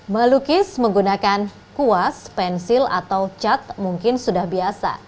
melukis menggunakan kuas pensil atau cat mungkin sudah biasa